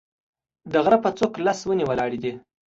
د غره په څوک لس ونې ولاړې دي